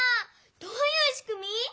どういうしくみ？